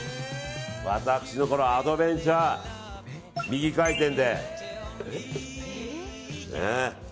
私のアドベンチャー右回転で。